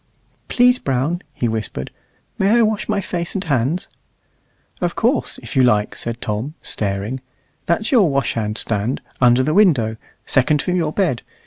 "Please, Brown," he whispered, "may I wash my face and hands?" "Of course, if you like," said Tom, staring; "that's your washhand stand, under the window, second from your bed.